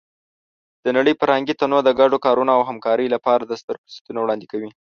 د نړۍ فرهنګي تنوع د ګډو کارونو او همکارۍ لپاره ستر فرصتونه وړاندې کوي.